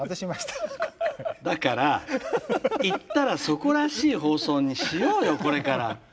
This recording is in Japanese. だから行ったらそこらしい放送にしようよこれから。